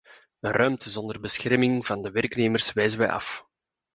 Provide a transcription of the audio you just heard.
Een ruimte zonder bescherming van de werknemers wijzen wij af.